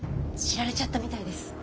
知られちゃったみたいです。